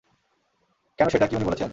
কেন সেটা কি উনি বলেছেন?